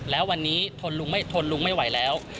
แล้ววันนี้ทนลุงไม่ไหวแล้ว